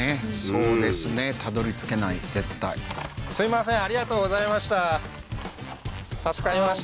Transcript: そうですね辿り着けない絶対すごいなうん